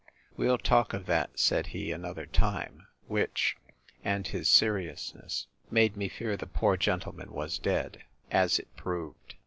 We'll talk of that, said he, another time; which, and his seriousness, made me fear the poor gentleman was dead, as it proved.